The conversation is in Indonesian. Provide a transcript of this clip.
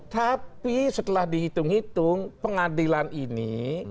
tapi setelah dihitung hitung pengadilan ini